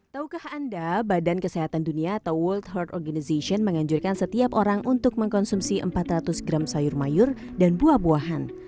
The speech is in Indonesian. taukah anda badan kesehatan dunia atau world heart organization menganjurkan setiap orang untuk mengkonsumsi empat ratus gram sayur mayur dan buah buahan